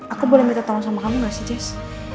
aku boleh minta tolong sama kamu gak sih jis